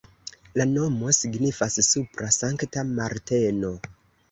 La nomo signifas supra Sankta Marteno.